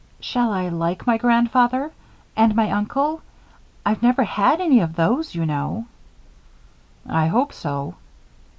"Shall I like my grandfather? And my uncle? I've never had any of those, you know." "I hope so."